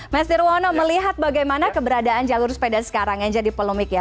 mas nirwono melihat bagaimana keberadaan jalur sepeda sekarang yang jadi polemik ya